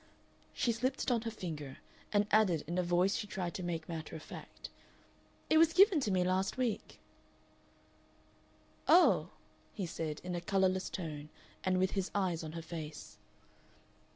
She slipped it on her finger, and added, in a voice she tried to make matter of fact: "It was given to me last week." "Oh!" he said, in a colorless tone, and with his eyes on her face.